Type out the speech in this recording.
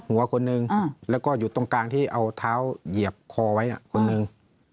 หัวคนนึงแล้วก็อยู่ตรงกลางที่เอาเท้าเหยียบคอไว้คนหนึ่ง